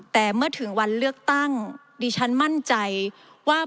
แต่เมื่อถึงวันเลือกตั้งดิฉันมั่นใจว่า